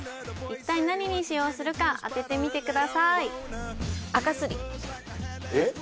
一体何に使用するか当ててみてくださいえっ？